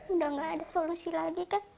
udah gak ada solusi lagi kan